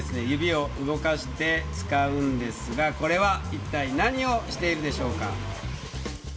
指を動かして使うんですがこれは一体何をしているでしょうか？